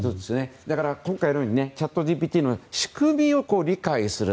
今回のようにチャットＧＰＴの仕組みを理解する。